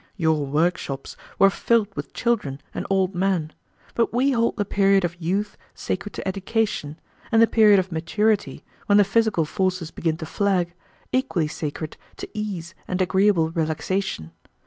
Your workshops were filled with children and old men, but we hold the period of youth sacred to education, and the period of maturity, when the physical forces begin to flag, equally sacred to ease and agreeable relaxation.